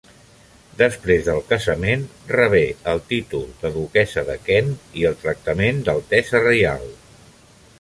Després del casament rebé el títol de duquessa de Kent i el tractament d'altesa reial.